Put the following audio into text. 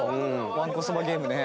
わんこそばゲームね。